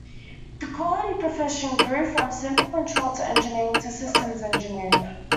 The quality profession grew from simple control to engineering, to systems engineering.